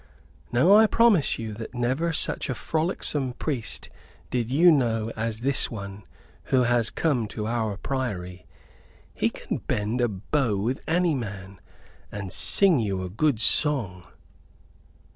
Now, I promise you, that never such a frolicsome priest did you know as this one who has come to our priory. He can bend a bow with any man, and sing you a good song."